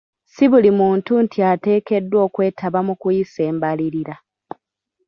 Ssi buli muntu nti ateekeddwa okwetaba mu kuyisa embalirira.